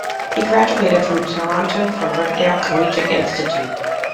He graduated in Toronto from Riverdale Collegiate Institute.